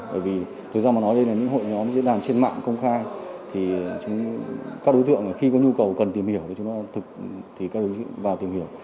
bởi vì thời gian mà nói đây là những hội nhóm diễn đàn trên mạng công khai thì chúng các đối tượng khi có nhu cầu cần tìm hiểu thì chúng ta thực thì các đối tượng vào tìm hiểu